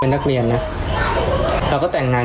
ได้ยินไหม